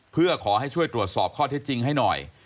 เพื่อขอให้ช่วยตรวจสอบข้อเท็จจริงให้หน่อย